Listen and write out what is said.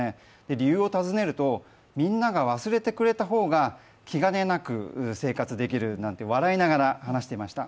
理由を尋ねると、みんなが忘れてくれた方が気兼ねなく生活できるなんて、笑いながら話していました。